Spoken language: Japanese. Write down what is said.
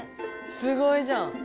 すごいじゃん！